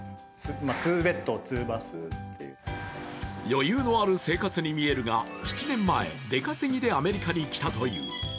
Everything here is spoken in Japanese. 余裕のある生活に見えるが７年前、出稼ぎでアメリカに来たという。